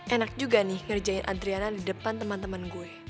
enak juga nih ngerjain adriana di depan teman teman gue